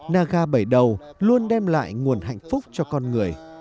naga bảy đầu luôn đem lại nguồn hạnh phúc cho con người